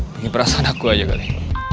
ini perasaan aku aja kali